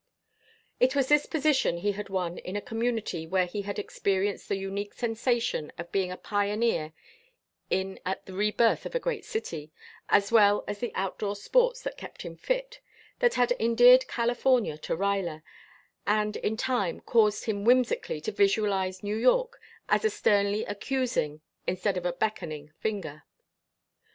It was this position he had won in a community where he had experienced the unique sensation of being a pioneer in at the rebirth of a great city, as well as the outdoor sports that kept him fit, that had endeared California to Ruyler, and in time caused him whimsically to visualize New York as a sternly accusing instead of a beckoning finger.